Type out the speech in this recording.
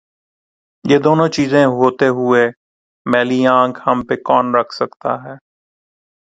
یہ دونوں چیزیں ہوتے ہوئے میلی آنکھ ہم پہ کون رکھ سکتاہے؟